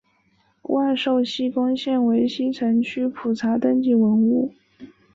万寿西宫现为西城区普查登记文物。